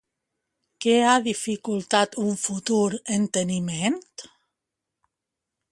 Què ha dificultat un futur enteniment?